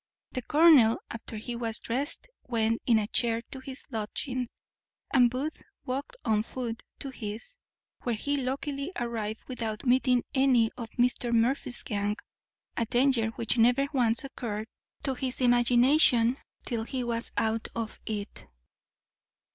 The colonel, after he was drest, went in a chair to his lodgings, and Booth walked on foot to his; where he luckily arrived without meeting any of Mr. Murphy's gang; a danger which never once occurred to his imagination till he was out of it.